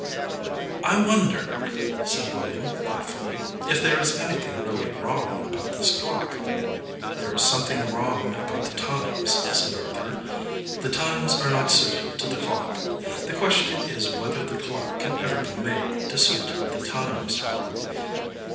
"I wonder," said William, thoughtfully, "if there is anything really wrong about this clock?" "There is something wrong about the times," said Arthur. "The times are not suited to the clock. The question is whether the clock can ever be made to suit the times."